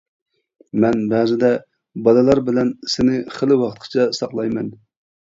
مەن بەزىدە بالىلار بىلەن سېنى خېلى ۋاقىتقىچە ساقلايمەن.